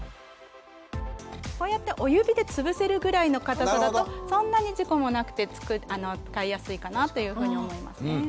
こうやってお指で潰せるぐらいの硬さだとそんなに事故もなくて使いやすいかなというふうに思いますね。